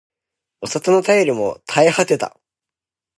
お里の便りも絶え果てた